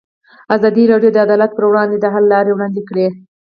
ازادي راډیو د عدالت پر وړاندې د حل لارې وړاندې کړي.